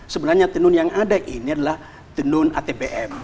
sebenarnya tenun yang ada ini adalah tenun atbm